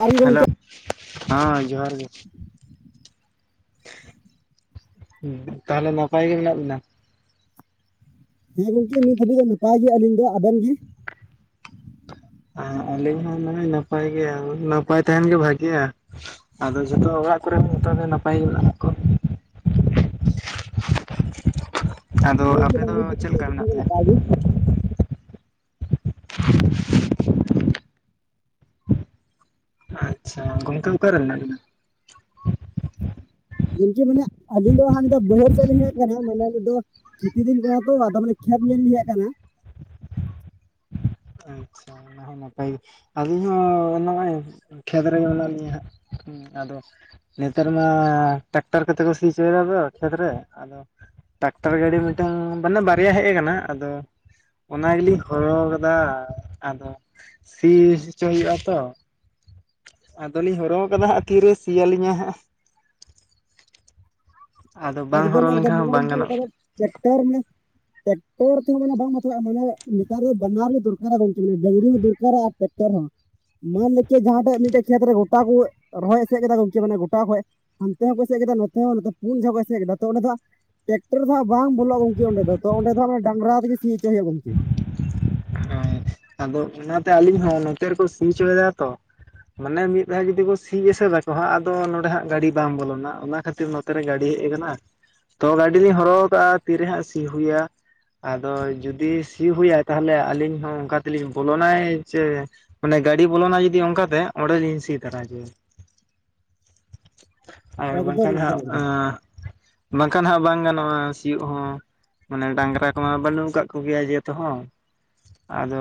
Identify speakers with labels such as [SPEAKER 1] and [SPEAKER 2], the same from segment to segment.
[SPEAKER 1] ᱟᱨ
[SPEAKER 2] hello,
[SPEAKER 1] ᱜᱚᱝᱠᱮ
[SPEAKER 2] ᱦᱚᱸ ᱡᱚᱦᱟᱨ ᱜᱮ ᱾ ᱛᱟᱦᱞᱮ ᱱᱟᱯᱟᱭ ᱜᱮ ᱢᱮᱱᱟᱜ ᱵᱤᱱᱟ?
[SPEAKER 1] ᱟᱹᱞᱤᱧ ᱥᱮᱫ ᱱᱤᱛ ᱫᱷᱟᱹᱵᱤᱡ ᱮᱫᱟᱜ ᱜᱮᱜᱼᱟᱭ ᱟᱹᱞᱤᱧ ᱫᱚ ᱟᱵᱮᱱ ᱜᱤ ᱾
[SPEAKER 2] ᱟᱹᱞᱤᱧ ᱦᱚᱸ ᱢᱟᱱᱮ ᱱᱟᱯᱟᱭ ᱜᱮ, ᱱᱟᱯᱟᱭ ᱛᱟᱦᱮᱱ ᱜᱮ ᱵᱷᱟᱜᱮᱭᱟ ᱾ ᱟᱫᱚ ᱡᱷᱚᱛᱚ ᱚᱲᱟᱜ ᱠᱚᱨᱮ ᱦᱚᱸ ᱡᱷᱚᱛᱚ ᱜᱮ ᱱᱟᱯᱟᱭ ᱜᱮ ᱢᱮᱱᱟ ᱠᱚ? ᱟᱫᱚ
[SPEAKER 1] ᱜᱚᱝᱠᱮ
[SPEAKER 2] ᱟᱯᱮ
[SPEAKER 1] ᱵᱟᱝ
[SPEAKER 2] ᱫᱚ
[SPEAKER 1] ᱱᱤᱛ ᱫᱷᱟᱹᱵᱤᱡ
[SPEAKER 2] ᱪᱮᱫ ᱞᱮᱠᱟ
[SPEAKER 1] ᱡᱚᱛᱚ
[SPEAKER 2] ᱢᱮᱱᱟᱜ
[SPEAKER 1] ᱜᱮ
[SPEAKER 2] ᱯᱮᱭᱟ?
[SPEAKER 1] ᱱᱟᱯᱟᱭ ᱜᱮ
[SPEAKER 2] ᱟᱪᱪᱷᱟ ᱜᱚᱝᱠᱮ ᱚᱠᱟ ᱨᱮ ᱢᱮᱱᱟᱜ ᱵᱤᱱᱟ?
[SPEAKER 1] ᱜᱟᱢᱠᱮ ᱢᱟᱱᱮ ᱟᱹᱞᱤᱧ ᱫᱚ ᱦᱟᱱ ᱫᱚ ᱵᱟᱹᱭᱦᱟᱹᱲ ᱥᱮᱫ ᱞᱤᱧ ᱦᱮᱡ ᱠᱟᱱᱟ ᱢᱟᱱᱮ ᱱᱤᱛ ᱫᱚ ᱾ ᱠᱷᱮᱛᱤ ᱫᱤᱱ ᱠᱟᱱᱟ ᱛᱚ ᱟᱫᱚ ᱢᱟᱱᱮ ᱠᱷᱮᱛ ᱧᱮᱞ ᱞᱤᱧ ᱦᱮᱡ ᱟᱠᱟᱱᱟ ᱾
[SPEAKER 2] ᱟᱪᱪᱷᱟ ᱾ ᱚᱱᱟ ᱦᱚᱸ ᱱᱟᱯᱟᱭ ᱜᱮ ᱟᱞᱤᱧ ᱦᱚᱸ ᱱᱚᱜᱼᱚᱭ ᱠᱷᱮᱛ ᱨᱮᱜᱮ ᱢᱮᱱᱟᱜ ᱞᱤᱧᱟ ᱦᱟᱸᱜ ᱾ ᱟᱫᱚᱼᱼ ᱱᱮᱛᱟᱨ ᱢᱟ ᱴᱨᱟᱠᱴᱚᱨ ᱠᱟᱛᱮ ᱠᱚ ᱥᱤ ᱦᱚᱪᱚᱭᱫᱟ ᱫᱚ ᱠᱷᱮᱛ ᱨᱮ, ᱟᱫᱚᱼᱼ ᱴᱟᱠᱴᱟᱨ ᱜᱟᱺᱰᱤ ᱢᱤᱫᱴᱟᱝ ᱢᱟᱱᱮ ᱵᱟᱨᱭᱟ ᱦᱮᱡ ᱟᱠᱟᱱᱟ ᱟᱫᱚ ᱚᱱᱟ ᱜᱮᱞᱤᱤᱧ ᱦᱚᱨᱚᱦᱚᱼᱼ ᱠᱟᱫᱟ ᱟᱫᱚ ᱥᱤ ᱦᱚᱪᱚᱭ ᱦᱩᱭᱩᱜᱼᱟ ᱛᱚ ᱾ ᱟᱫᱚᱞᱤᱧ ᱦᱚᱨᱦᱚ ᱟᱠᱟᱫᱟ ᱦᱟᱸᱜ ᱛᱤᱨᱮ ᱥᱤᱭᱟᱹᱞᱤᱧᱟ ᱦᱟᱸᱜ ᱾ ᱟᱫᱚ ᱵᱟᱝ ᱦᱚᱨᱚ
[SPEAKER 1] ᱮᱠᱫᱚᱢ
[SPEAKER 2] ᱞᱮᱱᱠᱷᱟᱱ
[SPEAKER 1] ᱮᱠᱫᱚᱢ
[SPEAKER 2] ᱦᱚᱸ ᱵᱟᱝ ᱜᱟᱱᱚᱜᱼᱟ
[SPEAKER 1] [unintelligible] ᱴᱮᱠᱴᱟᱨ ᱢᱮ ᱾ ᱴᱮᱠᱴᱚᱨ ᱛᱮᱦᱚᱸ ᱢᱟᱱᱮ ᱵᱟᱝ ᱵᱟᱛᱟᱣᱟᱜ-ᱟ ᱢᱟᱱᱮ ᱱᱮᱛᱟᱨ ᱫᱚ ᱵᱟᱱᱟᱨ ᱜᱮ ᱫᱚᱨᱠᱟᱨᱟ ᱜᱚᱢᱠᱮ ᱢᱟᱱᱮ ᱰᱟᱝᱨᱤ ᱦᱚᱸ ᱫᱚᱨᱠᱟᱨᱟᱜᱼᱟ ᱾ ᱴᱮᱠᱴᱚᱨ ᱦᱚᱸ ᱾ ᱢᱟᱱᱞᱚᱠᱮ ᱡᱟᱦᱟᱸᱴᱟᱜ ᱢᱤᱫᱴᱮᱡ ᱠᱷᱮᱛ ᱨᱮ ᱜᱚᱴᱟ ᱠᱚ ᱨᱚᱦᱚᱭ ᱮᱥᱮᱫ ᱠᱮᱫᱟ ᱜᱚᱝᱠᱮ ᱢᱟᱱᱮ ᱜᱚᱴᱟ ᱠᱷᱚᱡᱼᱼ ᱦᱟᱱᱛᱮ ᱦᱚᱸ ᱠᱚ ᱮᱥᱮᱫ ᱠᱮᱫᱟ ᱱᱚᱛᱮ ᱦᱚᱸ ᱱᱚᱛᱮ ᱯᱩᱱ ᱡᱷᱚᱠᱼᱼ ᱠᱮᱫ ᱛᱚ ᱫᱚ ᱦᱟᱸᱷ ᱴᱮᱠᱴᱚᱨ ᱫᱚ ᱦᱟᱸᱜ ᱵᱟᱝ ᱵᱚᱞᱚᱜᱼᱟ ᱜᱚᱢᱠᱮ ᱚᱸᱰᱮ ᱫᱚ, ᱛᱚ ᱚᱸᱰᱮ ᱫᱚ ᱦᱟᱸᱜ ᱰᱟᱝᱨᱟ ᱛᱮᱜᱮ ᱥᱤ ᱦᱚᱪᱚᱭ ᱦᱩᱭᱩᱜᱼᱟ ᱜᱚᱢᱠᱮ ᱾
[SPEAKER 2] ᱦᱳᱭ ᱟᱫᱚ ᱚᱱᱟᱛᱮ ᱟᱹᱞᱤᱧ ᱦᱚᱸ ᱱᱚᱛᱮ ᱨᱮᱠᱚ ᱥᱤ ᱦᱚᱪᱚᱭᱫᱟ ᱛᱚ ᱾ ᱢᱟᱱᱮ ᱢᱤᱫ ᱫᱷᱟᱣ ᱡᱩᱫᱤ ᱠᱚ ᱥᱤ ᱮᱥᱮᱫᱟᱠᱚ ᱦᱟᱸᱜ ᱟᱫᱚ ᱱᱚᱰᱮ ᱦᱟᱸᱜ ᱜᱟᱺᱰᱤ ᱵᱟᱝ ᱵᱚᱞᱚᱱᱟ ᱚᱱᱟ ᱠᱷᱟᱹᱛᱤᱨᱼᱼ ᱛᱮ ᱨᱮ ᱜᱟᱹᱰᱤ ᱦᱮᱡ ᱟᱠᱟᱱᱟ ᱛᱚ ᱜᱟᱺᱰᱤ ᱞᱤᱧ ᱦᱚᱨᱚ ᱟᱠᱟᱫᱼᱟ ᱛᱤᱨᱮ ᱦᱟᱸᱜ ᱥᱤ ᱦᱩᱭᱟ ᱾ ᱟᱫᱚ ᱡᱩᱫᱤ ᱥᱤ ᱦᱩᱭᱟᱭ ᱛᱟᱦᱚᱞᱮ ᱟᱹᱞᱤᱧ ᱦᱚᱸ ᱚᱱᱠᱟ ᱛᱮᱞᱤᱧ ᱵᱚᱞᱚᱱᱟᱭ ᱡᱮᱼᱼ ᱢᱟᱱᱮ ᱜᱟᱺᱰᱤ ᱵᱚᱞᱚᱱᱟ ᱡᱩᱫᱤ ᱚᱱᱠᱟᱛᱮ ᱚᱸᱰᱮ ᱞᱤᱧ ᱥᱤ ᱛᱚᱨᱟ ᱦᱚᱪᱚᱭᱟ ᱾ ᱟᱨ
[SPEAKER 1] ᱮᱠᱫᱚᱢ
[SPEAKER 2] ᱵᱟᱝᱠᱷᱟᱱ
[SPEAKER 1] ᱮᱠᱫᱚᱢ
[SPEAKER 2] ᱦᱟᱸᱜ
[SPEAKER 1] ᱮᱠᱫᱚᱢ
[SPEAKER 2] ᱵᱟᱝᱠᱷᱟᱱ ᱦᱟᱸᱜ ᱵᱟᱝ ᱜᱟᱱᱚᱜᱼᱟ ᱥᱤᱭᱳᱜ ᱦᱚᱸ ᱾ ᱢᱟᱱᱮ ᱰᱟᱝᱨᱟ ᱠᱚ ᱢᱟ ᱵᱟᱹᱱᱩᱜ ᱠᱟᱫ ᱠᱚᱜᱮᱭᱟ ᱡᱮ ᱛᱚ ᱦᱚᱸ ᱟᱫᱚᱼᱼ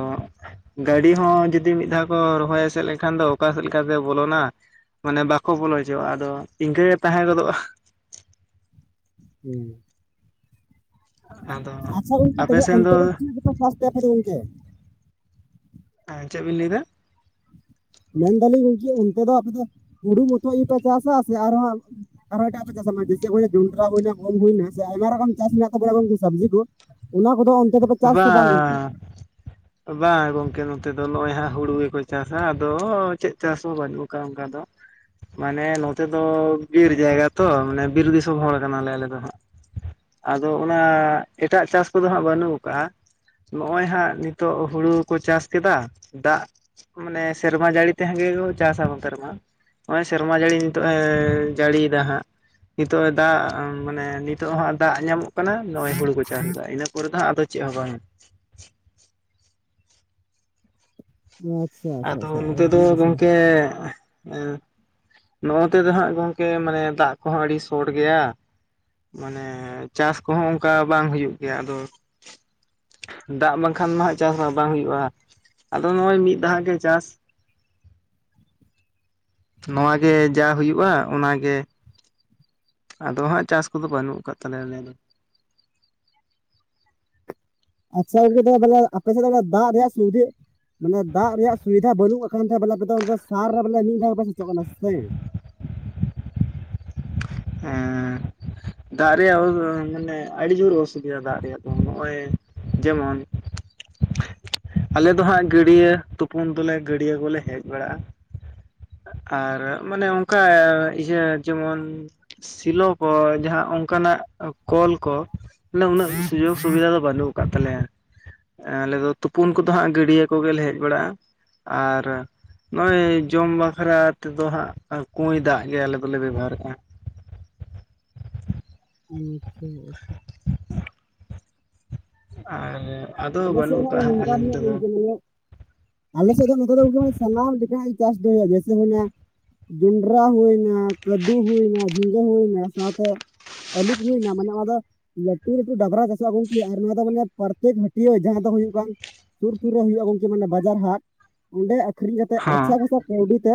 [SPEAKER 2] ᱜᱟᱺᱰᱤ ᱦᱚᱸ ᱡᱩᱫᱤ ᱢᱤᱫ ᱫᱷᱟᱣ ᱠᱚ ᱨᱚᱦᱚᱭ ᱮᱥᱮᱫ ᱞᱮᱠᱷᱟᱱ ᱫᱚ ᱚᱠᱟ ᱥᱮᱫ ᱞᱮᱠᱟᱛᱮ ᱵᱚᱞᱚᱱᱟ ᱾ ᱢᱟᱱᱮ ᱵᱟᱠᱚ ᱵᱚᱞᱚ ᱦᱚᱪᱚᱣᱟᱜᱼᱟ, ᱟᱫᱚ ᱤᱱᱠᱟᱹ ᱜᱮ ᱛᱟᱦᱮᱸ ᱜᱚᱫᱚᱜᱼᱟ ᱾
[SPEAKER 1] ᱦᱩᱸ
[SPEAKER 2] ᱟᱫᱚᱼᱼ
[SPEAKER 1] ᱟᱪᱪᱷᱟ ᱜᱚᱝᱠᱮ ᱛᱚᱵᱮ ᱚᱱᱛᱮ ᱫᱚ ᱪᱤᱫ ᱠᱚᱯᱮ ᱪᱟᱥ ᱜᱮᱭᱟ ᱜᱚᱝᱠᱮ?
[SPEAKER 2] ᱦᱮᱸ ᱪᱮᱫ ᱵᱤᱱ ᱞᱟᱹᱭ ᱮᱫᱟ ᱾
[SPEAKER 1] ᱢᱮᱱᱫᱟᱞᱤᱧ ᱜᱚᱝᱠᱮ ᱚᱱᱛᱮ ᱫᱚ ᱟᱯᱮ ᱫᱚ ᱦᱩᱲᱩ ᱢᱚᱛᱚ ᱜᱮᱯᱮ ᱪᱟᱥᱟ ᱥᱮ ᱟᱨᱦᱚᱸᱼᱼ ᱟᱨᱦᱚᱸ ᱮᱴᱟᱜ-ᱟᱜ ᱯᱮ ᱪᱟᱥᱟ ᱡᱮᱥᱮ ᱦᱩᱭᱱᱟ ᱰᱩᱢᱠᱟ ᱦᱩᱭᱱᱟ ᱜᱚᱢ ᱦᱩᱭᱱᱟ ᱥᱮ ᱟᱭᱢᱟ ᱨᱚᱠᱚᱢ ᱪᱟᱥ ᱢᱮᱱᱟᱜ ᱛᱟᱵᱚᱱᱟ ᱜᱚᱝᱠᱮ ᱥᱚᱵᱽᱡᱤ ᱠᱚ ᱾ ᱚᱱᱟ ᱠᱚᱫᱚ ᱚᱱᱛᱮ ᱫᱚᱯᱮ ᱪᱟᱥ ᱥᱮ ᱵᱟᱝ ᱜᱚᱝᱠᱮ?
[SPEAKER 2] ᱵᱟᱝ ᱜᱚᱝᱠᱮ ᱱᱚᱛᱮ ᱫᱚ ᱱᱚᱜᱼᱚᱭ ᱦᱟᱸᱜ ᱦᱩᱲᱩ ᱜᱮᱠᱚ ᱪᱟᱥᱟ ᱟᱫᱚ ᱪᱮᱫ ᱪᱟᱥ ᱦᱚᱸ ᱵᱟᱹᱱᱩᱜ ᱠᱟᱜᱼᱟ ᱚᱱᱠᱟ ᱫᱚ ᱾ ᱢᱟᱱᱮ ᱱᱚᱛᱮ ᱫᱚ ᱵᱤᱨ ᱡᱟᱭᱜᱟ ᱛᱚ, ᱢᱟᱱᱮ ᱵᱤᱨ ᱫᱤᱥᱚᱢ ᱦᱚᱲ ᱠᱟᱱᱟ ᱞᱮ ᱟᱞᱮ ᱫᱚ ᱦᱟᱸᱜ ᱾ ᱟᱫᱚ ᱚᱱᱟ ᱮᱴᱟᱜ ᱪᱟᱥ ᱠᱚᱫᱚ ᱦᱟᱸᱜ ᱵᱟᱹᱱᱩᱜ ᱠᱟᱜᱼᱟ ᱱᱚᱜᱼᱚᱭ ᱦᱟᱸᱜ ᱱᱤᱛᱚᱜ ᱦᱩᱲᱩ ᱠᱚ ᱪᱟᱥ ᱠᱮᱫᱟ ᱫᱟᱜ ᱢᱟᱱᱮ ᱥᱮᱨᱢᱟ ᱡᱟᱹᱲᱤ ᱛᱮᱦᱮᱸ ᱜᱮᱠᱚ ᱪᱟᱥᱟ ᱣᱚᱛᱮ ᱨᱮᱢᱟ᱾ ᱚᱸᱭ ᱥᱮᱨᱢᱟ ᱡᱟᱲᱤ ᱧᱤᱛᱚᱜ ᱮ ᱡᱟᱲᱤᱭᱫᱟ ᱦᱟᱸᱜ᱾ ᱱᱤᱛᱚᱜ ᱮ ᱫᱟᱜ ᱩᱸ ᱢᱟᱱᱮ ᱱᱤᱛᱚᱜ ᱦᱟᱸᱜ ᱫᱟᱜ ᱧᱟᱢᱚᱜ ᱠᱟᱱᱟ ᱱᱚᱜᱼᱚᱭ ᱦᱩᱲᱩ ᱠᱚ ᱪᱟᱥ ᱮᱫᱟ᱾ ᱤᱱᱟᱹ ᱯᱚᱨᱮ ᱫᱟ ᱟᱫᱚ ᱪᱮᱜ ᱦᱚᱸ ᱵᱟᱝ᱾
[SPEAKER 1] ᱟᱪᱪᱷᱟ ᱟᱪᱪᱷᱟ
[SPEAKER 2] ᱟᱫᱚ
[SPEAKER 1] ᱟᱪᱪᱷᱟ
[SPEAKER 2] ᱱᱚᱛᱮ
[SPEAKER 1] ᱟᱹᱰᱤ
[SPEAKER 2] ᱫᱚ
[SPEAKER 1] ᱟᱹᱰᱤ ᱥᱟᱨᱦᱟᱣ
[SPEAKER 2] ᱜᱚᱝᱠᱮ ᱮᱸ ᱱᱚᱜᱼᱚ ᱛᱮ ᱫᱚ ᱦᱟᱸᱜ ᱜᱚᱝᱠᱮ ᱢᱟᱱᱮ ᱫᱟᱜ ᱠᱚᱦᱚᱸ ᱟᱰᱤ ᱥᱚᱴ ᱜᱮᱭᱟ᱾ ᱢᱟᱱᱮ ᱪᱟᱥ ᱠᱚᱦᱚᱸ ᱚᱝᱠᱟ ᱵᱟᱝ ᱦᱩᱭᱩᱜ ᱜᱮᱭᱟ ᱟᱫᱚ ᱫᱟᱜ ᱵᱟᱝᱠᱷᱟᱱ ᱱᱟᱦᱟᱸᱜ ᱪᱟᱥ ᱦᱚᱸ ᱵᱟᱝ ᱦᱩᱭᱩᱜᱼᱟ, ᱟᱫᱚ ᱱᱚᱜᱼᱚᱭ ᱢᱤᱫ ᱫᱷᱟᱣ ᱜᱮ ᱪᱟᱥ ᱱᱚᱣᱟ ᱜᱮ ᱡᱟ ᱦᱩᱭᱩᱜᱼᱟ ᱚᱱᱟᱜᱮ ᱟᱫᱚ ᱦᱟᱸᱜ ᱪᱟᱥ ᱠᱚᱫᱚ ᱵᱟᱹᱱᱩᱜ ᱠᱟᱫ ᱛᱟᱞᱮᱭᱟ ᱟᱞᱮ ᱫᱚ᱾
[SPEAKER 1] ᱟᱪᱪᱷᱟ ᱜᱚ ᱫᱚ ᱛᱟᱞᱮ ᱟᱯᱮ ᱥᱮᱫ ᱫᱚ ᱚᱱᱟ ᱫᱟᱜ ᱨᱮᱭᱟᱜ ᱥᱩᱵᱽᱫᱷᱤ ᱢᱟᱱᱮ ᱫᱟᱜ ᱨᱮᱭᱟᱜ ᱥᱩᱵᱤᱫᱷᱟ ᱵᱟᱹᱱᱩᱜ ᱟᱠᱟᱱ ᱛᱮ ᱵᱮᱞᱮ, ᱟᱯᱮ ᱫᱚ ᱚᱱᱛᱮ ᱥᱟᱨ ᱨᱮ ᱵᱮᱞᱮ ᱢᱤᱜ ᱫᱷᱟᱣ ᱜᱮᱯᱮ ᱥᱮᱪᱚᱜ ᱠᱟᱱᱟ ᱥᱮ?
[SPEAKER 2] ᱮᱸ᱾ ᱫᱟᱜ ᱨᱮᱭᱟᱜ ᱳᱼᱨ ᱢᱮᱱᱮ ᱟᱹᱰᱤ ᱡᱳᱨ ᱚᱥᱩᱵᱤᱫᱟ ᱫᱟᱜ ᱨᱮᱭᱟᱜ ᱫᱚ ᱱᱚᱜᱼᱚᱭ ᱡᱮᱢᱚᱱ ᱟᱞᱮ ᱫᱚ ᱦᱟᱸᱜ ᱜᱟᱹᱲᱭᱟᱹ, ᱛᱩᱯᱩᱱ ᱫᱚ ᱞᱮ ᱜᱟᱹᱰᱭᱟᱹ ᱠᱚᱞᱮ ᱦᱮᱡ ᱵᱟᱲᱟᱜᱼᱟ᱾ ᱟᱨ ᱢᱟᱱᱮ ᱚᱝᱠᱟ ᱮ ᱤᱭᱟᱹ ᱡᱮᱢᱚᱱ ᱥᱤᱞᱚ ᱠᱚ, ᱡᱟᱦᱟᱸ ᱚᱝᱠᱟᱱᱟᱜ ᱚ ᱠᱚᱞ ᱠᱚ, ᱱᱮ ᱩᱱᱟᱹᱜ ᱥᱩᱡᱳᱜᱽ ᱥᱩᱵᱤᱫᱟ ᱫᱚ ᱵᱟᱱᱩᱜ ᱠᱟᱫ ᱛᱟᱞᱮᱭᱟ᱾ ᱮᱸ ᱟᱞᱮ ᱫᱚ ᱛᱩᱯᱩᱱ ᱠᱚᱫᱚ ᱦᱟᱸᱜ ᱜᱟᱹᱰᱭᱟᱹ ᱠᱚᱜᱮ ᱞᱮ ᱦᱮᱡ ᱵᱟᱲᱟᱜᱼᱟ ᱟᱨ ᱱᱚᱜᱼᱚᱸᱭ ᱡᱚᱢ ᱵᱟᱠᱷᱨᱟ ᱛᱮᱫᱚ ᱦᱟᱸᱜ, ᱠᱩᱸᱭ ᱫᱟᱜ ᱜᱮ ᱟᱞᱮ ᱫᱚᱞᱮ ᱵᱮᱵᱷᱟᱨᱮᱜ ᱛᱟᱸᱦᱮᱜ᱾
[SPEAKER 1] [inaudible]
[SPEAKER 2] ᱟᱨᱮ
[SPEAKER 1] [inaudible] ᱟᱞᱮ ᱥᱮᱫ ᱫᱚ ᱱᱚᱛᱮ ᱫᱚ ᱜᱚᱝᱠᱮ, ᱢᱟᱱᱮ ᱥᱟᱱᱟᱢ ᱞᱮᱠᱟᱸᱭ ᱪᱟᱥ ᱫᱚ ᱦᱩᱭᱩᱜ ᱜᱮ ᱥᱮ ᱦᱩᱭᱱᱟ ᱡᱚᱱᱰᱨᱟ ᱦᱩᱭᱱᱟ, ᱠᱟᱹᱫᱩ ᱦᱩᱭᱱᱟ, ᱡᱷᱤᱸᱜᱟᱹ ᱦᱩᱭᱱᱟ ᱥᱟᱶᱛᱮ [inaudible] ᱴᱤᱭᱟᱹ ᱡᱟᱦᱟᱸ ᱫᱚ ᱦᱩᱭᱩᱜ ᱠᱟᱱ ᱥᱩᱨ-ᱥᱩᱨ ᱨᱮ ᱦᱩᱭᱩᱜᱼᱟ, ᱜᱚᱝᱠᱮ ᱢᱟᱱᱮ ᱵᱟᱡᱟᱨ ᱦᱟᱴ᱾ ᱚᱸᱰᱮ ᱟᱠᱷᱨᱤᱧ ᱠᱟᱛᱮᱜ
[SPEAKER 2] ᱦᱚᱸ
[SPEAKER 1] ᱟᱪᱪᱷᱟ-ᱠᱷᱟᱥᱟ ᱠᱟᱣᱰᱤ ᱛᱮ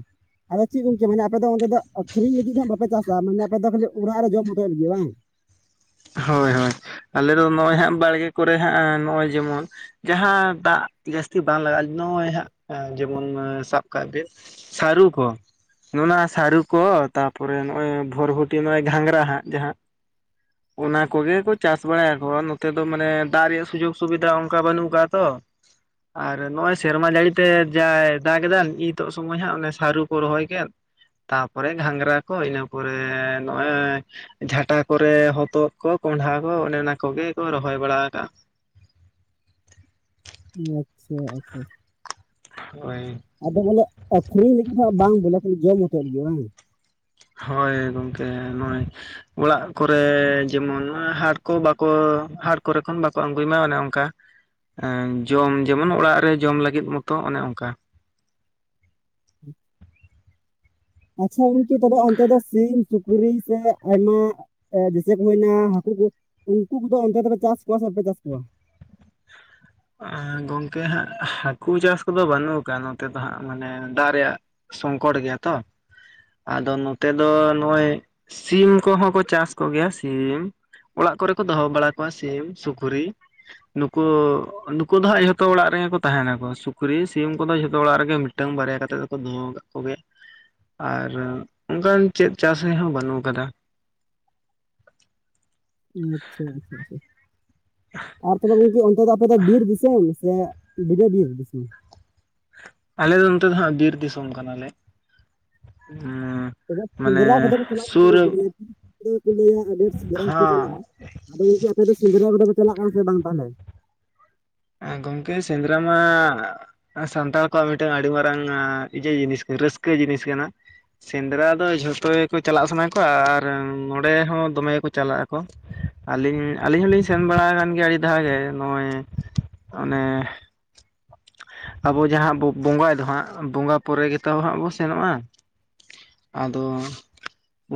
[SPEAKER 1] [inaudible] ᱟᱫᱚ ᱪᱤᱜ ᱜᱚᱝᱠᱮ ᱢᱟᱱᱮ ᱟᱯᱮ ᱫᱚ ᱚᱸᱫᱮ ᱫᱚᱜ ᱟᱠᱷᱨᱤᱧ ᱞᱤᱜᱤᱜ ᱫᱚ ᱦᱟᱸᱜ ᱵᱟᱯᱮ ᱪᱟᱥᱟ, ᱢᱟᱱᱮ ᱟᱯᱮ ᱫᱚ ᱠᱷᱟᱹᱞᱤ ᱚᱨᱟᱜ ᱨᱮ ᱡᱚᱢ ᱢᱚᱛᱚ ᱞᱤᱜᱤᱜ ᱵᱟᱝ?
[SPEAKER 2] ᱦᱳᱭ-ᱦᱳᱭ, ᱟᱞᱮ ᱫᱚ ᱱᱚᱜᱼᱚᱸᱭ ᱦᱟᱸᱜ ᱵᱟᱲᱜᱮ ᱠᱚᱨᱮ ᱦᱟᱸᱜ ᱟᱸ ᱱᱚᱜᱼᱚᱸᱭ ᱡᱮᱢᱚᱱ ᱡᱟᱦᱟᱸ ᱫᱟᱜ ᱡᱟᱹᱥᱛᱤ ᱵᱟᱝ ᱞᱟᱜᱟᱼᱟ ᱱᱚᱜᱼᱚᱸᱭ ᱦᱟᱸᱜ ᱟᱸ ᱡᱮᱢᱚᱱ ᱟᱸ ᱥᱟᱵ ᱠᱟᱜ ᱵᱤᱱ᱾ ᱥᱟᱨᱩ ᱠᱚ᱾ ᱱᱚᱜ ᱱᱟ ᱥᱟᱨᱩ ᱠᱚᱻ ᱛᱟᱯᱚᱨᱮ ᱱᱚᱜᱼᱚᱸᱭ ᱵᱷᱚᱨᱵᱷᱚᱴᱤ, ᱱᱚᱜᱼᱚᱸᱭ ᱜᱷᱟᱸᱜᱽᱨᱟ ᱦᱟᱸᱜ ᱡᱟᱦᱟᱸ ᱚᱱᱟ ᱠᱚᱜᱮ ᱠᱚ ᱪᱟᱥ ᱵᱟᱲᱟᱭᱟᱠᱚ ᱩᱸ ᱱᱚᱛᱮ ᱫᱚ ᱢᱟᱱᱮ ᱫᱟᱜ ᱨᱮᱭᱟᱜ ᱥᱩᱡᱳᱜᱽ ᱥᱩᱵᱤᱫᱟ ᱚᱝᱠᱟ ᱵᱟᱱᱩᱜ ᱠᱟᱜᱼᱟ ᱛᱚᱻ᱾ ᱟᱨ ᱱᱚᱜᱼᱚᱸᱭ ᱥᱮᱨᱢᱟ ᱡᱟᱲᱤ ᱛᱮ ᱡᱟᱭ ᱫᱟᱜᱽ ᱫᱟ ᱤᱛᱚᱜ ᱥᱚᱢᱚᱭ ᱦᱟᱸᱜ ᱚᱱᱮ ᱥᱟᱹᱨᱩ ᱠᱚ ᱨᱚᱦᱚᱭ ᱠᱮᱫ᱾ ᱛᱟᱯᱚᱨᱮ ᱜᱷᱟᱸᱜᱽᱨᱟ ᱠᱚ, ᱤᱱᱟᱹ ᱯᱚᱨᱮ ᱱᱚᱜᱼᱚᱸᱭ ᱡᱷᱟᱴᱟ ᱠᱚᱨᱮ ᱦᱚ- -ᱛᱚᱫ ᱠᱚ, ᱠᱚᱸᱰᱷᱟ ᱠᱚ ᱚᱱᱮ ᱱᱟ ᱠᱚᱜᱮ ᱠᱚ ᱨᱚᱦᱚᱭ ᱵᱟᱲᱟ ᱠᱟᱜᱼᱟ᱾
[SPEAKER 1] ᱭᱟᱪᱪᱷᱟ, ᱟᱪᱪᱷᱟ-ᱪᱷᱟ᱾
[SPEAKER 2] ᱦᱳᱭ᱾
[SPEAKER 1] ᱟᱫᱚ ᱵᱚᱞᱮ ᱟᱠᱷᱨᱤᱧ ᱞᱤᱜᱤ ᱫᱚ ᱦᱟᱸᱜ ᱵᱟᱝ, ᱵᱚᱞᱮ ᱠᱷᱟᱹᱞᱤ ᱡᱚᱢ ᱢᱚᱛᱚ ᱞᱤᱜᱤᱜ ᱵᱟᱝ!
[SPEAKER 2] ᱦᱳᱭ ᱜᱚᱝᱠᱮ, ᱱᱚᱜᱼᱚᱸᱭ ᱚᱲᱟᱜ ᱠᱚᱨᱮ ᱡᱮᱢᱚᱱ ᱟᱸ ᱦᱟᱴ ᱠᱚ ᱵᱟᱠᱚ, ᱦᱟᱴ ᱠᱚᱨᱮ ᱠᱷᱚᱱ ᱵᱟᱠᱚ ᱟᱸᱜᱩᱭ ᱢᱟ ᱚᱱᱮ ᱚᱝᱠᱟ᱾ ᱮᱸ ᱡᱚᱢ ᱡᱮᱢᱚᱱ ᱚᱲᱟᱜ ᱨᱮ ᱡᱚᱢ ᱞᱟᱹᱜᱤᱫ ᱢᱚᱛᱚ ᱚᱱᱮ ᱚᱱᱠᱟ᱾
[SPEAKER 1] ᱟᱪᱪᱷᱟ ᱜᱚᱝᱠᱮ ᱛᱚᱵᱮ ᱚᱱᱛᱮ ᱫᱚ ᱥᱤᱢ ᱥᱩᱠᱨᱤ ᱥᱮ ᱟᱭᱢᱟᱜ ᱮ ᱡᱮᱭᱥᱮ ᱠᱚ ᱦᱩᱭ ᱱᱟ ᱦᱟᱹᱠᱩ ᱠᱩ ᱩᱱᱠᱩ ᱠᱩᱫᱚ ᱚᱱᱛᱮ ᱫᱚᱯᱮ ᱪᱟᱥ ᱠᱚᱣᱟ ᱥᱮ ᱵᱟᱯᱮ ᱪᱟᱥ ᱠᱚᱣᱟ?
[SPEAKER 2] ᱟᱸᱻ ᱜᱚᱝᱠᱮ ᱦᱟᱸᱜ ᱦᱟᱹᱠᱩ ᱪᱟᱥ ᱠᱩᱫᱚ ᱵᱟᱹᱱᱩᱜ ᱠᱟᱜ-ᱟ ᱱᱚᱛᱮ ᱫᱚ ᱦᱟᱸᱜ ᱢᱟᱱᱮ ᱫᱟᱜ ᱨᱮᱭᱟᱜ ᱥᱚᱝᱠᱚᱴ ᱜᱮᱭᱟ ᱛᱚ, ᱟᱫᱚ ᱱᱚᱛᱮ ᱫᱚ ᱱᱚᱜ-ᱚᱭ ᱥᱤᱢ ᱠᱚᱦᱚᱸ ᱠᱚ ᱪᱟᱥ ᱠᱚ ᱜᱮᱭᱟ ᱥᱤᱢ ᱾ ᱚᱲᱟᱜ ᱠᱚᱨᱮ ᱠᱚ ᱫᱚᱦᱚ ᱵᱟᱲᱟ ᱠᱚᱣᱟ ᱥᱤᱢ ᱥᱩᱠᱨᱤ ᱱᱩᱠᱩ ᱱᱩᱠᱩ ᱫᱚ ᱦᱟᱸᱜ ᱡᱚᱛᱚ ᱚᱲᱟᱜ ᱨᱮᱜᱮ ᱠᱚ ᱛᱟᱦᱮᱱᱟ ᱠᱚ ᱥᱩᱠᱨᱤ ᱥᱤᱢ ᱠᱩᱫᱚ ᱡᱷᱚᱛᱚ ᱚᱲᱟᱜ ᱨᱮᱜᱮ ᱢᱤᱫᱴᱟᱝ ᱵᱟᱨᱭᱟ ᱠᱟᱛᱮᱜ ᱫᱚᱠᱚ ᱫᱚᱦᱚᱣ ᱠᱟᱜ ᱠᱚ ᱜᱮ ᱟᱨ ᱚᱱᱠᱟᱱ ᱪᱮᱫ ᱪᱟᱥ ᱦᱚᱸ ᱵᱟᱱᱩᱜ ᱠᱟᱫᱟ ᱾
[SPEAKER 1] ᱟᱪᱪᱷᱟ, ᱟᱪᱪᱷᱟ ᱟᱪᱪᱷᱟ ᱟᱨ ᱛᱚᱵᱮ ᱜᱚᱝᱠᱮ ᱚᱱᱛᱮ ᱫᱚ ᱟᱯᱮ ᱫᱚ ᱵᱤᱨ ᱫᱤᱥᱟᱢ ᱥᱮ ᱥᱮ ᱵᱤᱱᱟ ᱵᱤᱨ ᱫᱤᱥᱚᱢ ᱾
[SPEAKER 2] ᱟᱞᱮ ᱫᱚ ᱱᱚᱛᱮ ᱫᱚ ᱦᱟᱸᱜ ᱵᱤᱨ ᱫᱤᱥᱚᱢ ᱠᱟᱱᱟ ᱞᱮ ᱾
[SPEAKER 1] ᱛᱚᱵᱮ ᱥᱮᱸᱫᱽᱨᱟ ᱠᱚᱫᱚ ᱠᱩ ᱪᱟᱞᱟᱜ ᱠᱩ ᱩᱱᱠᱩ ᱫᱚ ᱚᱱᱮ ᱟᱫᱚ ᱠᱩ ᱞᱟᱹᱭᱟ ᱦᱟᱸᱰᱮ ᱥᱮᱸᱫᱽᱨᱟ ᱦᱚᱸ ᱠᱩ
[SPEAKER 2] ᱦᱟᱸ
[SPEAKER 1] ᱪᱟᱞᱟᱜ-ᱟ᱾ ᱟᱫᱚ ᱜᱚᱝᱠᱮ ᱟᱯᱮ ᱫᱚ ᱥᱮᱸᱫᱽᱨᱟ ᱠᱚᱫᱚ ᱯᱮ ᱪᱟᱞᱟᱜ-ᱟ ᱥᱮ ᱵᱟᱝ ᱛᱟᱦᱚᱞᱮ?
[SPEAKER 2] ᱦᱮᱸ ᱜᱚᱝᱠᱮ ᱥᱮᱸᱫᱽᱨᱟ ᱢᱟ ᱚ ᱥᱟᱱᱛᱟᱲ ᱠᱚᱣᱟᱜ ᱢᱤᱫᱴᱮᱱ ᱟᱹᱰᱤ ᱢᱟᱨᱟᱝ ᱤᱭᱟᱹ ᱡᱤᱱᱤᱥ ᱠᱟᱹ ᱨᱟᱹᱥᱠᱟᱹ ᱡᱤᱱᱤᱥ ᱠᱟᱱᱟ ᱾ ᱥᱮᱸᱫᱽᱨᱟ ᱫᱚ ᱡᱷᱚᱛᱚ ᱜᱮᱠᱚ ᱪᱟᱞᱟᱜ ᱥᱟᱱᱟ ᱠᱚᱣᱟ, ᱟᱨ ᱱᱚᱸᱰᱮ ᱦᱚᱸ ᱫᱚᱢᱮ ᱜᱮᱠᱚ ᱪᱟᱞᱟᱜ-ᱟ ᱠᱚ ᱾ ᱟᱹᱞᱤᱧ ᱟᱹᱞᱤᱧ ᱦᱚᱸᱞᱤᱧ ᱥᱮᱱ ᱵᱟᱲᱟᱣ ᱠᱟᱱ ᱜᱮᱭᱟ ᱟᱹᱰᱤ ᱫᱷᱟᱣ ᱜᱮ ᱱᱚᱜᱼᱚᱭ ᱚᱱᱮ ᱟᱵᱚ ᱡᱟᱦᱟᱸ ᱵᱚ ᱵᱚᱸᱜᱟᱭ ᱫᱚ ᱦᱟᱸᱜ ᱵᱚᱸᱜᱟ ᱯᱚᱨᱮ ᱜᱮᱛᱚ ᱦᱟᱸᱜ ᱵᱚ ᱥᱮᱱᱚᱜᱼᱟ ᱾ ᱟᱫᱚ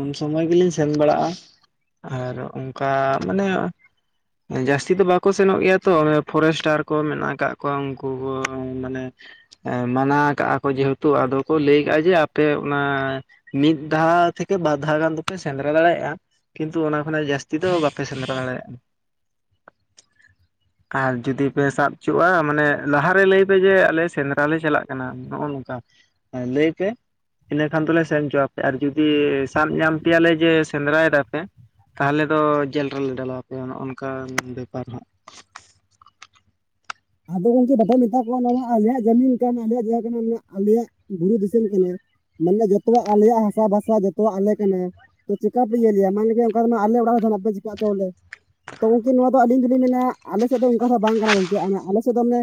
[SPEAKER 2] ᱩᱱ ᱥᱚᱢᱟᱹᱭ ᱜᱤᱞᱤᱧ ᱥᱮᱱ ᱵᱟᱲᱟᱜ-ᱟ᱾ ᱟᱨ ᱚᱱᱠᱟ ᱢᱟᱱᱮ ᱮ ᱡᱟᱹᱥᱛᱤ ᱫᱚ ᱵᱟᱠᱚ ᱥᱮᱱᱚᱜ ᱜᱮᱭᱟ ᱛᱚ ‌ᱚᱱᱮ ᱯᱷᱚᱨᱮᱥ ᱴᱟᱨ ᱠᱚ ᱢᱮᱱᱟᱜ ᱟᱠᱟᱜ ᱠᱚᱣᱟ, ᱩᱱᱠᱩ ᱢᱟᱱᱮ ᱮ ᱢᱟᱱᱟᱣ ᱠᱟᱜ-ᱟ ᱠᱚ ᱡᱮᱦᱮᱛᱩ ᱟᱫᱚ ᱠᱚ ᱞᱟᱹᱭ ᱠᱟᱜ-ᱟ ᱡᱮ ᱟᱯᱮ ᱚᱱᱟ ᱢᱤᱫ ᱫᱷᱟᱣ ᱛᱷᱮᱠᱮ ᱵᱟᱨ ᱫᱷᱟᱣ ᱜᱟᱱ ᱫᱚᱯᱮ ᱥᱮᱸᱫᱽᱨᱟ ᱫᱟᱲᱮᱭᱟᱜ-ᱟ᱾ ᱠᱤᱱᱛᱩ ᱚᱱᱟ ᱠᱷᱚᱱᱟᱜ ᱡᱟᱹᱥᱛᱤ ᱫᱚ ᱵᱟᱯᱮ ᱥᱮᱸᱫᱽᱨᱟ ᱫᱟᱲᱮᱭᱟᱜ-ᱟ᱾ ᱟᱨ ᱡᱩᱫᱤ ᱯᱮ ᱥᱟᱵ ᱪᱩᱜ-ᱟ ᱢᱟᱱᱮ ᱞᱟᱦᱟ ᱨᱮ ᱞᱟᱹᱭ ᱯᱮ ᱡᱮ ᱟᱞᱮ ᱥᱮᱸᱫᱽᱨᱟ ᱞᱮ ᱪᱟᱞᱟᱜ ᱠᱟᱱᱟ ᱱᱚᱜ-ᱚ ᱱᱚᱝᱠᱟ᱾ ᱦᱮᱸ ᱞᱟᱹᱭ ᱯᱮ ᱤᱱᱟᱹ ᱠᱷᱟᱱ ᱫᱚᱞᱮ ᱥᱮᱱ ᱪᱚ ᱟᱯᱮ ᱟᱨ ᱡᱩᱫᱤ ᱥᱟᱵ ᱧᱟᱢ ᱯᱮᱭᱟ ᱞᱮ ᱡᱮ ᱥᱮᱸᱫᱽᱨᱟᱭ ᱫᱟᱯᱮ ᱛᱟᱦᱚᱞᱮ ᱫᱚ ᱡᱮᱞ ᱨᱮᱞᱮ ᱰᱟᱞᱟᱣ ᱯᱮᱭᱟ ᱱᱚᱜ-ᱚ ᱱᱚᱝᱠᱟ ᱵᱮᱯᱟᱨ ᱦᱟᱸᱜ ᱾
[SPEAKER 1] ᱟᱫᱚ ᱜᱚᱝᱠᱮ ᱵᱟᱯᱮ ᱢᱮᱛᱟ ᱠᱚᱣᱟ, ᱱᱚᱣᱟ ᱢᱟ‌ ᱟᱞᱮᱭᱟᱜ ᱡᱟᱹᱢᱤᱱ ᱠᱟᱱ ᱟᱞᱮᱭᱟᱜ ᱡᱟᱜᱟ ᱠᱟᱱᱟ ᱟᱞᱮᱭᱟᱜ ᱵᱩᱨᱩ ᱫᱤᱥᱚᱢ ᱠᱟᱱᱟ ᱾ ᱢᱟᱱᱮ ᱡᱚᱛᱚᱣᱟᱜ ᱟᱞᱮᱭᱟᱜ ᱦᱟᱥᱟ ᱵᱷᱟᱥᱟ ᱡᱚᱛᱚᱣᱟᱜ ᱟᱞᱮ ᱠᱟᱱᱟ ᱾ ᱛᱚ ᱪᱮᱠᱟ ᱯᱮ ᱤᱭᱟᱹ ᱞᱮᱭᱟ ᱢᱟᱱᱮ ᱞᱮ ᱚᱱᱠᱟ ᱛᱮ ᱢᱟ ᱟᱞᱮ ᱚᱲᱟᱜ ᱫᱷᱚᱱ ᱟᱯᱮ ᱪᱮᱠᱟ ᱚᱪᱚᱜ ᱟᱞᱮ᱾ ᱛᱚ ᱜᱚᱝᱠᱮ ᱱᱚᱣᱟ ᱫᱚ ᱟᱹᱞᱤᱧ ᱫᱩᱞᱤᱧ ᱢᱮᱱᱟ, ᱟᱞᱮ ᱥᱮᱫ ᱫᱚ ᱚᱱᱠᱟ ᱫᱚ ᱦᱟᱸᱜ ᱵᱟᱝ ᱠᱟᱱᱟ ᱜᱚᱝᱠᱮ ᱟᱨ‌ ᱦᱟᱸᱜ ᱾ ᱟᱞᱮ ᱥᱮᱫ ᱫᱚ ᱚᱱᱮ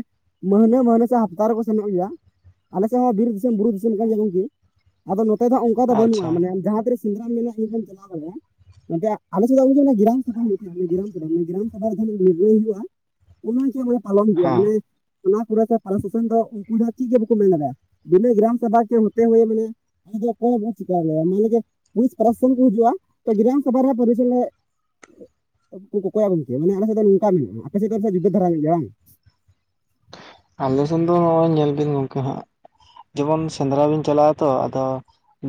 [SPEAKER 1] ᱢᱟᱹᱦᱱᱟᱹ, ᱢᱟᱹᱦᱱᱟᱹ ᱥᱮ ᱦᱟᱯᱛᱟ ᱨᱮᱠᱚ ᱥᱮᱱᱚᱜ ᱜᱮᱭᱟ ᱾ ᱟᱞᱮ ᱥᱮᱫ ᱦᱚᱸ ᱵᱤᱨ ᱫᱤᱥᱚᱢ, ᱵᱩᱨᱩ ᱫᱤᱥᱚᱢ ᱠᱟᱱ ᱜᱮᱭᱟ ᱜᱚᱝᱠᱮ ᱾ᱟᱫᱚ ᱱᱚᱛᱮ ᱫᱚ ᱦᱟᱸᱜ ᱚᱱᱠᱟ ᱫᱚ
[SPEAKER 2] ᱟᱪᱪᱷᱟ
[SPEAKER 1] ᱵᱟᱹᱱᱩᱜ-ᱟ, ᱢᱟᱱᱮ ᱡᱟᱦᱟᱸ ᱛᱨᱤᱥ ᱥᱮᱸᱫᱽᱨᱟᱢ ᱢᱮᱱᱟ ᱤᱧ ᱦᱚᱧ‌ ᱪᱟᱞᱟᱣ ᱫᱟᱲᱮᱜ-ᱟ᱾ ᱜᱚᱝᱠᱮ‌ ᱟᱞᱮ ᱥᱮᱫ ᱫᱚ ᱚᱱᱮ ᱪᱚᱧ ᱞᱟᱹᱭᱟᱢ ᱜᱤᱨᱟᱢ ᱥᱟᱵᱷᱟ ᱦᱩᱭᱩᱜ ᱜᱮᱭᱟ, ᱢᱟᱱᱮ ᱜᱤᱨᱟᱢ ᱥᱟᱵᱷᱟ ᱢᱟᱱᱮ ᱜᱤᱨᱟᱢ ᱥᱟᱵᱷᱟ ᱨᱮ ᱡᱟᱦᱟᱸ ᱱᱟᱜ ᱱᱤᱨᱱᱟᱹᱭ ᱦᱩᱭᱩᱜ-ᱟ᱾ ᱩᱱᱟ ᱡᱮ ᱵᱚᱭᱦᱟ ᱢᱟᱱᱮ ᱯᱟᱞᱚᱱ ᱦᱩᱭᱩᱜ-ᱟ
[SPEAKER 2] ᱦᱮᱸ
[SPEAKER 1] ᱢᱟᱱᱮ ᱛᱷᱟᱱᱟ ᱠᱚᱨᱮ ᱯᱨᱚᱥᱟᱥᱚᱱ ᱫᱚ ᱩᱱᱠᱩ ᱫᱚ ᱪᱤᱜ ᱜᱮ ᱵᱟᱠᱚ ᱢᱮᱱ ᱫᱟᱲᱮᱜᱼᱟ, ᱵᱤᱱᱟᱹ ᱜᱤᱨᱟᱢ ᱥᱟᱵᱷᱟ ᱠᱮ‌ ᱦᱚᱛᱮ‌ ᱦᱩᱭᱮ ᱢᱟᱱᱮ ᱟᱫᱚ ᱠᱚᱭ ᱵᱩᱱ ᱪᱤᱠᱟᱭ ᱭᱟ ᱢᱟᱱᱮ ᱡᱮ ᱯᱩᱞᱤᱥ ᱯᱨᱟᱥᱥᱚᱱ ᱠᱚ ᱦᱤᱡᱩᱜ-ᱟ ᱛᱚ, ᱜᱤᱨᱟᱢ ᱥᱟᱵᱷᱟ ᱨᱮ ᱯᱚᱨᱤᱪᱚᱭ ᱞᱮ ᱩᱱᱠᱩ ᱠᱚᱠᱚᱭᱟ ᱜᱚᱝᱠᱮ, ᱢᱟᱱᱮ ᱟᱞᱮ ᱥᱮᱜ ᱫᱚ ᱱᱚᱝᱠᱟ ᱢᱮᱱᱟᱜ-ᱟ᱾ ᱟᱯᱮ ᱥᱮᱜ ᱫᱚ ᱡᱩᱫᱟᱹ ᱫᱷᱟᱨᱟ ᱜᱮᱭᱟ ᱵᱟᱝ ᱾
[SPEAKER 2] ᱟᱞᱮ ᱥᱮᱱ ᱫᱚ ᱱᱚᱜ-ᱚᱭ ᱧᱮᱞ ᱵᱤᱱ ᱜᱚᱝᱠᱮ ᱦᱟᱸᱜ, ᱡᱮᱢᱚᱱ ᱥᱮᱸᱫᱽᱨᱟ ᱵᱤᱱ ᱪᱟᱞᱟᱜᱼᱟ ᱛᱚ, ᱟᱫᱚ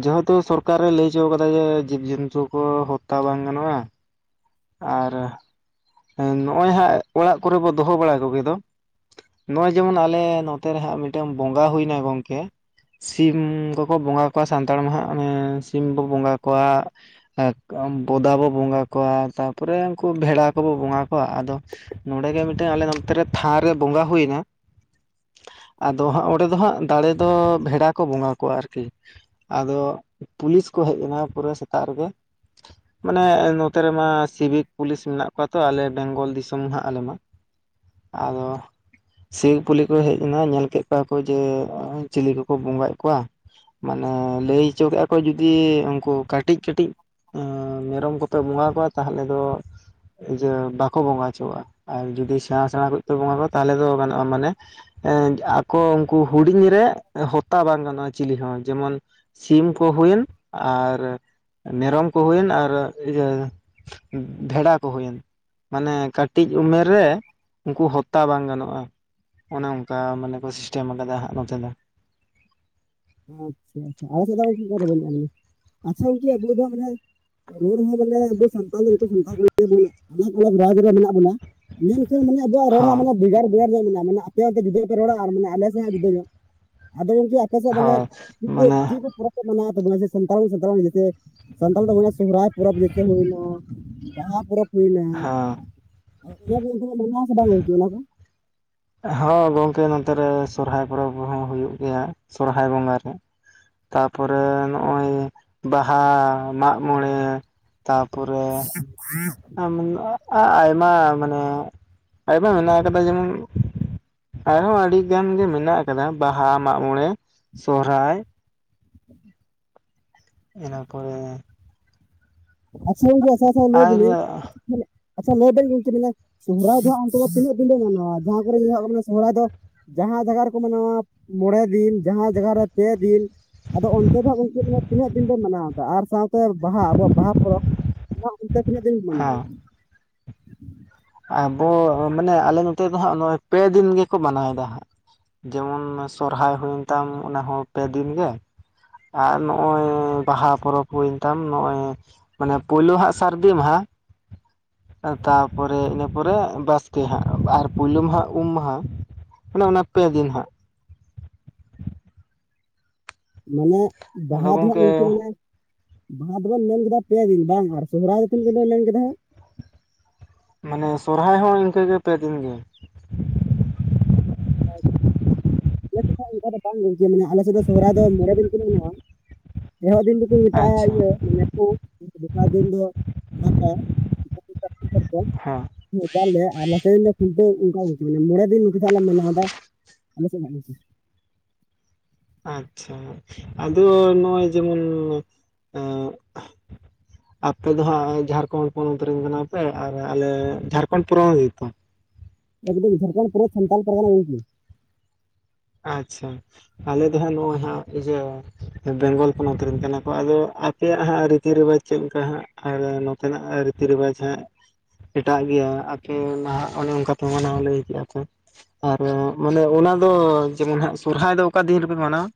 [SPEAKER 2] ᱡᱮ ᱦᱮᱛᱩ ᱥᱚᱨᱠᱟᱨᱮ ᱞᱟᱹᱭ ᱪᱩᱣ ᱠᱟᱫᱟ ᱡᱮ ᱡᱤᱵᱽ ᱡᱚᱱᱛᱩ ᱠᱚ ᱦᱚᱛᱛᱟ ᱵᱟᱝ ᱜᱟᱱᱚᱜ-ᱟ ᱟᱨ ᱮᱸ ᱱᱚᱜ-ᱚᱭ ᱦᱟᱸᱜ ᱚᱲᱟᱜ ᱠᱚᱨᱮ ᱵᱚ ᱫᱚᱦᱚ ᱵᱟᱲᱟ ᱠᱚᱜᱮ ᱫᱚ ᱱᱚᱜ-ᱚᱭ ᱡᱮᱢᱚᱱ ᱟᱞᱮ ᱱᱚᱛᱮ ᱨᱮᱦᱟᱸᱜ ᱢᱤᱫᱴᱟᱱ ᱵᱚᱸᱜᱟ ᱦᱩᱭ ᱱᱟᱭ ᱜᱚᱝᱠᱮ ᱾ ᱥᱤᱢ ᱠᱚᱠᱚ ᱵᱚᱸᱜᱟ ᱠᱚᱣᱟ ᱥᱟᱱᱛᱟᱲ ᱢᱟ ᱦᱟᱸᱜ ᱚᱱᱮ ᱥᱤᱢ ᱵᱚ ᱵᱚᱸᱜᱟ ᱠᱚᱣᱟ ᱾ ᱵᱚᱫᱟ ᱵᱚ ᱵᱚᱸᱜᱟ ᱠᱚᱣᱟ ᱛᱟᱯᱚᱨᱮ ᱩᱱᱠᱩ ᱵᱷᱮᱲᱟ ᱠᱚᱵᱚ ᱵᱚᱸᱜᱟ ᱠᱚᱣᱟ ᱟᱫᱚ ᱱᱚᱰᱮ ᱜᱮ ᱢᱤᱫᱴᱮᱱ ᱟᱞᱮ ᱱᱚᱱᱛᱨᱮ ᱛᱷᱟᱱ ᱨᱮ ᱵᱚᱸᱜᱟ ᱦᱩᱭᱱᱟ᱾ ᱟᱫᱚ ᱦᱟᱸᱜ ᱚᱸᱰᱮ ᱫᱚ ᱦᱟᱸᱜ ᱫᱟᱲᱮ ᱫᱚ ᱵᱷᱮᱰᱟ ᱠᱚ ᱵᱚᱸᱜᱟ ᱠᱚᱣᱟ ᱟᱨᱠᱤ᱾ ᱟᱫᱚ ᱯᱩᱞᱤᱥ ᱠᱚ ᱦᱮᱡ ᱮᱱᱟ ᱯᱩᱨᱟᱹ ᱥᱮᱛᱟᱜ ᱨᱮᱜᱮ ᱢᱟᱱᱮ ᱱᱚᱛᱮ ᱨᱮᱢᱟ ᱥᱤᱵᱤᱠ ᱯᱩᱞᱤᱥ ᱢᱮᱱᱟᱜ ᱠᱚᱣᱟ ᱛᱚ ᱟᱞᱮ ᱵᱮᱝᱜᱚᱞ ᱫᱤᱥᱚᱢ ᱦᱟᱸᱜ ᱟᱞᱮ ᱢᱟ, ᱟᱫᱚ [inaudible] ᱠᱚ ᱦᱮᱡ ᱮᱱᱟ ᱧᱮᱞ ᱠᱮᱫ ᱠᱚᱣᱟ ᱠᱚ ᱡᱮ ᱪᱤᱞᱤ ᱠᱚᱠᱚ ᱵᱚᱸᱜᱟᱭᱮᱫ ᱠᱚᱣᱟ᱾ ᱢᱟᱱᱮ ᱞᱟᱹᱭ ᱦᱚᱪᱚ ᱠᱮᱫᱟ ᱠᱚ ᱡᱩᱫᱤ ᱩᱱᱠᱩ ᱠᱟᱹᱴᱤᱡ ᱠᱟᱹᱴᱤᱡ ᱢᱮᱨᱚᱢ ᱠᱚᱯᱮ ᱵᱚᱸᱜᱟ ᱠᱚᱣᱟ ᱛᱟᱦᱚᱞᱮ ᱫᱚ ᱤᱭᱟᱹ ᱵᱟᱠᱚ ᱵᱚᱸᱜᱟ ᱦᱚᱪᱚᱣᱟᱜ-ᱟ ᱟᱨ ᱡᱩᱫᱤ ᱥᱮᱬᱟ ᱥᱮᱬᱟ ᱠᱚ ᱯᱮ ᱵᱚᱸᱜᱟ ᱠᱚᱣᱟ ᱛᱟᱦᱚᱞᱮ ᱫᱚ ᱜᱟᱱᱚᱜ-ᱟ, ᱢᱟᱱᱮ ᱮ ᱟᱠᱚ ᱩᱱᱠᱩ ᱦᱩᱰᱤᱧ ᱨᱮ ᱦᱚᱛᱛᱟ ᱵᱟᱝ ᱜᱟᱱᱚᱜ-ᱟ ᱪᱤᱞᱤ ᱦᱚᱸ ᱡᱮᱢᱚᱱ ᱥᱤᱢ ᱠᱚ ᱦᱩᱭᱮᱱ ᱟᱨ ᱢᱮᱨᱚᱢ ᱠᱚ ᱦᱩᱭᱮᱱ ᱟᱨ ᱤᱭᱟᱹ ᱵᱷᱮᱲᱟ, ᱦᱩᱭᱮᱱ ᱢᱟᱱᱮ ᱠᱟᱹᱴᱤᱡ ᱩᱢᱮᱨ ᱨᱮ ᱩᱱᱠᱩ ᱦᱚᱛᱛᱟ ᱵᱟᱝ ᱜᱟᱱᱚᱜ-ᱟ᱾ ᱚᱱᱮ ᱚᱱᱠᱟ ᱢᱟᱱᱮ ᱠᱚ ᱥᱤᱥᱴᱮᱢ ᱟᱠᱟᱫᱟ ᱦᱟᱸᱜ ᱱᱚᱛᱮ ᱫᱚ᱾
[SPEAKER 1] ᱟᱪᱪᱷᱟ ᱟᱪᱪᱷᱟ ᱟᱞᱮ ᱪᱮᱫᱠ ᱵᱟᱹᱱᱩᱜᱼᱟ ᱟᱪᱪᱷᱟ ᱜᱠᱮ ᱵᱵᱩ ᱫᱚ ᱢᱟᱱᱮ [unintelligible] ᱨᱚᱲ ᱦᱚᱸᱧ ᱨᱚᱲ ᱵᱟᱲᱟᱭᱮᱫᱟ ᱵᱮᱥ ᱜᱮ ᱛᱟᱞᱦᱮ ᱢᱤᱫᱴᱟᱹᱝ ᱥᱟᱱᱛᱟᱲ ᱠᱚᱲᱟ ᱜᱤᱫᱽᱨᱟᱹ ᱵᱷᱟᱜᱤ ᱠᱚᱲᱟ ᱨᱟᱭᱵᱟᱨ ᱨᱮ ᱢᱮᱱᱟᱜ ᱵᱚᱱᱟ [inaudible] ᱢᱮᱱᱠᱷᱟᱱ ᱢᱟᱱᱮ ᱟᱵᱚᱣᱟᱜ ᱨᱚᱲ ᱦᱚᱸ ᱢᱟᱱᱮ [inaudible] [inaudible]
[SPEAKER 2] ᱦᱳᱭ ᱢᱟᱱᱮ
[SPEAKER 1] [inaudible] [inaudible] ᱦᱩᱭᱱᱟ ᱚᱱᱟ ᱠᱚ ᱚᱱᱛᱮ
[SPEAKER 2] ᱦᱮᱸ
[SPEAKER 1] ᱢᱮᱱᱟᱜᱼᱟ ᱟᱥᱮ ᱵᱟᱝ [unintelligible]
[SPEAKER 2] ᱦᱚ ᱜᱚᱝᱠᱮ ᱱᱚᱛᱮ ᱨᱮ ᱥᱚᱨᱦᱟᱭ ᱯᱚᱨᱚᱵᱦᱚᱸ ᱦᱩᱭᱩᱜ ᱜᱮᱭᱟ ᱥᱚᱨᱦᱟᱭ ᱵᱚᱸᱜᱟ ᱨᱮ᱾ ᱛᱟᱯᱚᱨᱮ ᱱᱚᱜ-ᱚᱭ ᱵᱟᱦᱟ ᱢᱟᱜ-ᱢᱚᱬᱮ ᱛᱟᱯᱚᱨᱮ
[SPEAKER 1] [unintelligible]
[SPEAKER 2] ᱟᱭᱢᱟ ᱢᱟᱱᱮ ᱟᱭᱢᱟ [unintelligible] ᱟᱨᱦᱚᱸ ᱟᱹᱰᱤ ᱜᱟᱱ ᱜᱮ ᱢᱮᱱᱟᱜ ᱟᱠᱟᱫᱟ ᱵᱟᱦᱟ ᱢᱟᱜ-ᱢᱚᱬᱮ ᱥᱚᱦᱨᱟᱭ, ᱤᱱᱟᱹ ᱯᱚᱨᱮ
[SPEAKER 1] ᱟᱪᱪᱷᱟ ᱡ ᱟᱷ
[SPEAKER 2] ᱟᱨ
[SPEAKER 1] [unintelligible] ᱟᱪᱪᱷᱟ ᱵᱮᱱ ᱜᱚᱝᱠᱮ ᱢᱟᱱᱮ ᱥᱚᱦᱨᱟᱭ ᱫᱚ ᱦᱟᱸᱜ ᱚᱱᱛᱮ ᱫᱚ ᱛᱤᱱᱟᱹᱜ ᱫᱤᱱᱯᱮ ᱢᱟᱱᱟᱣᱟ ᱡᱟᱦᱟᱸ ᱠᱚᱨᱮ ᱧ ᱥᱚᱦᱨᱟᱭ ᱫᱚ? [inaudible] ᱡᱟᱦᱟᱸ ᱡᱟᱜᱟ ᱨᱮᱠᱚ ᱢᱟᱱᱟᱣᱟ ᱢᱚᱬᱮ ᱫᱤᱱ ᱡᱟᱦᱟᱸ ᱡᱟᱜᱟ ᱨᱮ ᱯᱮ ᱫᱤᱱ ᱟᱫᱚ ᱚᱱᱛᱮ ᱫᱚ ᱦᱟᱸᱜ ᱜᱚᱝᱠᱮ ᱛᱤᱱᱟᱹᱜ ᱫᱤᱱ ᱯᱮ ᱢᱟᱱᱟᱣ ᱫᱟ? ᱟᱨ ᱥᱟᱶᱛᱮ ᱛᱚ ᱵᱟᱦᱟ ᱟᱵᱚᱣᱟᱜ ᱵᱟᱦᱟ ᱯᱚᱨᱚᱵᱽ ᱚᱱᱟ ᱚᱱᱛᱮ ᱛᱤᱱᱟᱹᱜ ᱫᱤᱱ
[SPEAKER 2] ᱦᱮᱸ
[SPEAKER 1] ᱢᱟᱱᱟᱣᱟ?
[SPEAKER 2] ᱟᱵᱚ ᱢᱟᱱᱮ ᱟᱞᱮ ᱱᱚᱛᱮ ᱫᱚ ᱦᱟᱸᱜ ᱱᱚᱜ-ᱚᱭ ᱯᱮᱫᱤᱱ ᱜᱮᱠᱚ ᱢᱟᱱᱟᱣᱮᱫᱟ ᱦᱟᱸᱜ᱾ ᱡᱮᱢᱚᱱ ᱥᱚᱨᱦᱟᱭ ᱦᱩᱭᱮᱱ ᱛᱟᱢ ᱚᱱᱟᱦᱚᱸ ᱯᱮ ᱫᱤᱱᱜᱮ, ᱟᱨ ᱱᱚᱜ-ᱚᱭ ᱵᱟᱦᱟ ᱯᱚᱨᱚᱵᱽ ᱦᱩᱭᱮᱱ ᱛᱟᱢ ᱱᱚᱜ-ᱚᱭ ᱢᱟᱱᱮ ᱯᱩᱭᱞᱩ ᱦᱟᱸᱜ ᱥᱟᱨᱫᱤ ᱢᱟᱦᱟ, ᱛᱟᱨᱯᱚᱨᱮ ᱤᱱᱟᱹ ᱯᱚᱨᱮ ᱵᱟᱥᱠᱮ ᱦᱟᱸᱜ ᱟᱨ ᱯᱳᱭᱞᱳ ᱢᱟᱦᱟᱸᱜ ᱩᱢ ᱢᱟᱦᱟ, ᱟᱱᱮ ᱚᱱᱟ ᱯᱮ ᱫᱤᱱ ᱦᱟᱸᱜ,
[SPEAKER 1] ᱢᱟᱱᱮ ᱵᱟᱦᱟ ᱫᱚᱦᱟᱸᱜ ᱜᱚᱝᱠᱮ ᱢᱟᱱᱮ ᱵᱟᱦᱟ ᱫᱚᱵᱚᱱ ᱢᱮᱱ ᱠᱮᱫᱟ ᱯᱮᱭᱟ ᱫᱤᱱ, ᱵᱟᱝ ᱟᱨ ᱥᱚᱦᱨᱟᱭ ᱫᱚ ᱛᱤᱱᱟᱹᱜ ᱫᱤᱱ ᱵᱮᱱ ᱢᱮᱱ ᱠᱮᱫᱟ?
[SPEAKER 2] ᱢᱟᱱᱮ ᱥᱚᱨᱦᱟᱭ ᱦᱚᱸ ᱤᱱᱠᱟᱹᱜᱮ, ᱯᱮᱫᱤᱱ ᱜᱮ᱾
[SPEAKER 1] ᱟᱞᱮ ᱚᱱᱠᱟ ᱫᱚ ᱵᱟᱝ ᱜᱚᱝᱠᱮ, ᱢᱟᱱᱮ ᱟᱞᱮ ᱥᱮᱫ ᱫᱚ ᱥᱚᱦᱨᱟᱭ ᱫᱚ ᱢᱚᱬᱮ ᱫᱤᱱ ᱫᱷᱚᱨᱮ ᱢᱮᱱᱟᱜᱼᱟ᱾ ᱮᱦᱚᱵ ᱫᱤᱱ ᱫᱚᱠᱚ ᱢᱮᱛᱟᱜᱼᱟ
[SPEAKER 2] ᱟᱪᱪᱷᱟ
[SPEAKER 1] ᱤᱭᱟᱹ ᱢᱟᱱᱮ ᱩᱢ᱾ ᱫᱚᱥᱟᱨ ᱫᱤᱱ ᱫᱚ ᱫᱟᱠᱟ [unintelligible] [unintelligible] ᱵᱟᱝ
[SPEAKER 2] ᱦᱮᱸ
[SPEAKER 1] ᱵᱚᱭᱦᱟ ᱟᱞᱮ ᱥᱮᱱ ᱫᱚ, ᱠᱷᱩᱱᱴᱟᱹᱣ ᱚᱱᱠᱟ ᱯᱟᱪᱩᱜ ᱟᱱᱟ, ᱢᱟᱱᱮ ᱢᱚᱬᱮ ᱫᱤᱱ ᱱᱟᱦᱟᱜᱜ ᱞᱮ ᱢᱟᱱᱟᱣ ᱮᱫᱟ᱾ ᱟᱞᱮᱥᱮᱫ ᱦᱮ [unintelligible] [inaudible]
[SPEAKER 2] ᱟᱪᱪᱷᱟ ᱟᱫᱚ ᱱᱚᱜᱼᱚᱭ ᱡᱮᱢᱚᱱ, ᱮᱜ ᱟᱯᱮ ᱫᱚ ᱦᱟᱸᱜ ᱡᱷᱟᱲᱠᱷᱚᱸᱰ ᱯᱚᱱᱚᱛ ᱨᱮᱱ ᱠᱟᱱᱟ ᱯᱮ, ᱟᱨ ᱟᱞᱮ ᱡᱷᱟᱲᱠᱷᱚᱸᱰ ᱯᱚᱱᱚᱛ ᱜᱮᱛᱚ?
[SPEAKER 1] ᱮᱠᱫᱚᱢ ᱡᱷᱟᱲᱠᱷᱚᱸᱰ ᱯᱚᱱᱚᱛ, ᱥᱟᱱᱛᱟᱞ ᱯᱟᱨᱜᱟᱱᱟ ᱜᱚᱝᱠᱮ᱾
[SPEAKER 2] ᱟᱪᱪᱷᱟ, ᱟᱞᱮ ᱫᱚ ᱦᱟᱸᱜ ᱱᱚᱜᱼᱚᱭ ᱦᱟᱸᱜ ᱤᱭᱟᱹ ᱵᱮᱝᱜᱚᱞ ᱯᱚᱱᱚᱛ ᱨᱮᱱ ᱠᱟᱱᱟ ᱠᱚ, ᱟᱫᱚ ᱟᱯᱮᱭᱟᱜ ᱦᱟᱸᱜ ᱨᱤᱛᱤ ᱨᱮᱣᱟᱡᱽ ᱪᱮᱫᱠᱟ ᱦᱟᱸᱜ? ᱟᱨ ᱱᱚᱛᱮᱱᱟᱜ ᱨᱤᱛᱤ ᱨᱮᱣᱟᱡᱽ ᱦᱟᱸᱜ, ᱮᱴᱟᱜ ᱜᱮᱭᱟ ᱟᱯᱮ ᱱᱟᱦᱟᱜ ᱚᱱᱮ, ᱚᱱᱠᱟ ᱯᱮ ᱢᱟᱱᱟᱣᱼᱟ ᱞᱟᱹᱭ ᱠᱮᱜᱼᱟ ᱯᱮ ᱾ ᱟᱨ ᱢᱟᱱᱮ ᱚᱱᱟ ᱫᱚ, ᱡᱮᱢᱚᱱ ᱦᱟᱜ ᱥᱚᱨᱦᱟᱭ ᱫᱚ ᱚᱠᱟ ᱫᱤᱱ ᱨᱮᱯᱮ ᱢᱟᱱᱟᱣᱟ?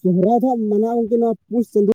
[SPEAKER 1] ᱥᱚᱨᱦᱟᱭ ᱫᱚ ᱢᱟᱱᱣᱟ ᱱᱚᱣᱟ ᱯᱩᱥ ᱪᱟᱸᱫᱳ ᱾